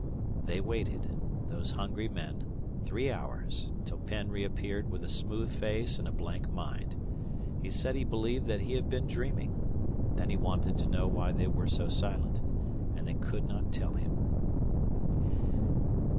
They waited, those hungry men, three hours, till Penn reappeared with a smooth face and a blank mind. He said he believed that he had been dreaming. Then he wanted to know why they were so silent, and they could not tell him.